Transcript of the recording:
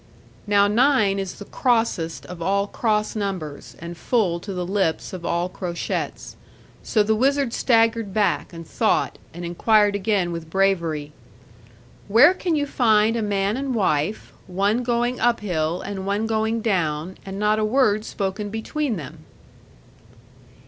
Now nine is the crossest of all cross numbers, and full to the lip of all crochets. So the wizard staggered back, and thought, and inquired again with bravery, 'Where can you find a man and wife, one going up hill and one going down, and not a word spoken between them?'